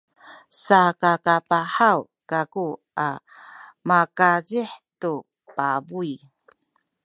sakakapahaw kaku a makaazih tu bayu’.